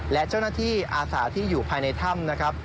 และเจ้าหน้าที่อาสาที่อยู่ภายในถ้ำนะครับ